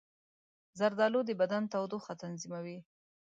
زردالو د بدن تودوخه تنظیموي.